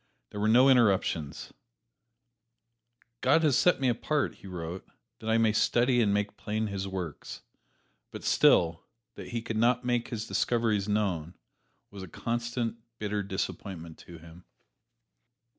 There were no interruptions "God has set me apart," he wrote, "that I may study and make plain His works." But still, that he could not make his discoveries known was a constant, bitter disappointment to him.